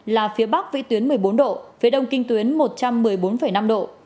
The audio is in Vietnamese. là phía bắc vĩ tuyến một mươi bốn độ phía đông kinh tuyến một trăm một mươi bốn năm độ